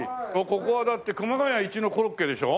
ここはだって熊谷一のコロッケでしょ？